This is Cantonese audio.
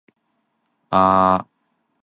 我地依度全部都係老餅